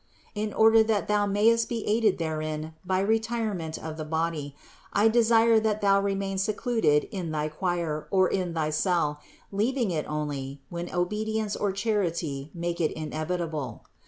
In order that thou mayest be aided therein by retirement of the body, I desire that thou remain secluded in thy choir or in thy cell, leaving it only, when obedience or charity make it inevitable.